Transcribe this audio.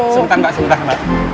sebentar mbak sebentar mbak